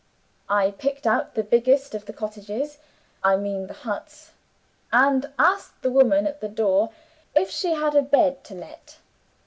I picked out the biggest of the cottages I mean the huts and asked the woman at the door if she had a bed to let.